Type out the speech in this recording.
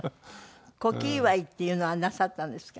古希祝いっていうのはなさったんですか？